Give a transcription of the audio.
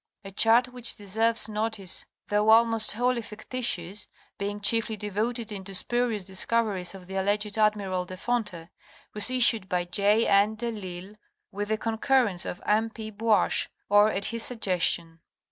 A chart which deserves notice, though almost wholly fictitious, being chiefly devoted to the spurious discoveries of the alleged Admiral de Fonte, was issued by J. N. de L'Isle with the concurrence of M. P. Buache, or at his suggestion.